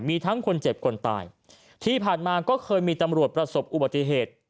มีทั้งคนเจ็บคนตายที่ผ่านมาก็เคยมีตำรวจประสบอุบัติเหตุ